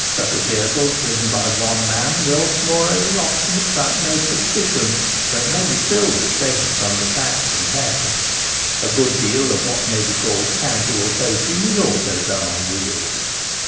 Such a vehicle, driven by one man, will, moreover, often excite no suspicion though it may be filled with pheasants under sacks and hay. A good deal of what may be called casual poaching is also done on wheels.